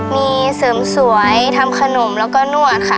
มีเสริมสวยทำขนมแล้วก็นวดค่ะ